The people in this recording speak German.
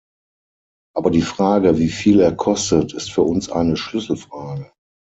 Aber die Frage, wieviel er kostet, ist für uns eine Schlüsselfrage.